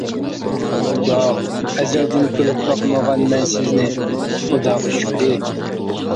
-ياق ئەزەلدىن كۆرۈپ باقمىغان مەن سىزنى. -خۇداغا شۈكرى.